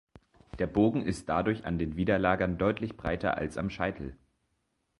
Der Bogen ist dadurch an den Widerlagern deutlich breiter als am Scheitel.